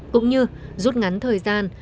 cũng như rút ngắn thời gian